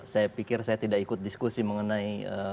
saya pikir saya tidak ikut diskusi mengenai